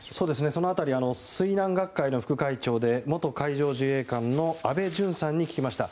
その辺り水難学会の副会長で元海上自衛官の安倍淳さんに聞きました。